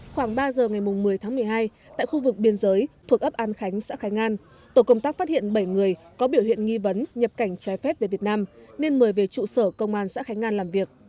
khoảng ba giờ ngày một mươi tháng một mươi hai tại khu vực biên giới thuộc ấp an khánh xã khánh an tổ công tác phát hiện bảy người có biểu hiện nghi vấn nhập cảnh trái phép về việt nam nên mời về trụ sở công an xã khánh an làm việc